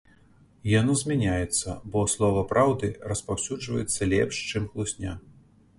І яно змяняецца, бо слова праўды распаўсюджваецца лепш, чым хлусня.